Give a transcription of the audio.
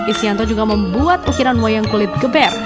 istianto juga membuat ukiran wayang kulit geber